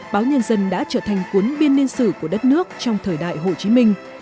báo nhân dân đã trở thành cuốn biên niên sử của đất nước trong thời đại hồ chí minh